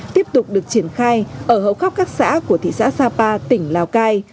tiếp tục được triển khai ở hậu khóc các xã của thị xã sapa tỉnh lào cai